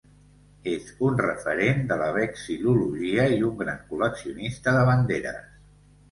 És un referent de la vexil·lologia i un gran col·leccionista de banderes.